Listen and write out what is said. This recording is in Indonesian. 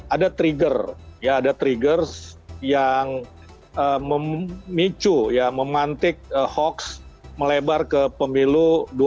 ada trigger yang memicu memantik hoax melebar ke pemilu dua ribu sembilan belas